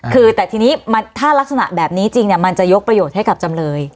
คือแต่ทีนี้ถ้ารักษณะแบบนี้จริงมันจะยกประโยชน์ให้กับจำเลย